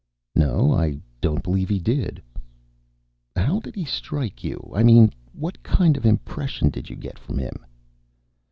"No, I don't believe he did." "How did he strike you? I mean what kind of impression did you get of him?"